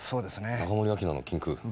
中森明菜の「禁区」。